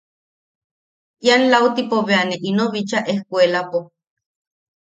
Ian lautipo bea ne ino bicha ejkuelapo.